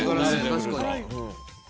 確かに。